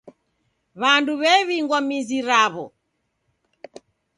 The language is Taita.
W'andu w'ew'ingwa mizi raw'o.